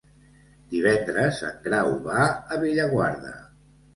Divendres en Grau va a Bellaguarda.